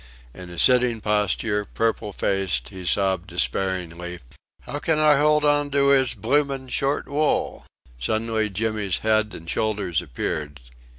In a sitting posture, purple faced, he sobbed despairingly: "How can I hold on to 'is blooming short wool?" Suddenly Jimmy's head and shoulders appeared.